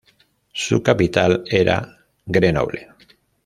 Su capital era Grenoble.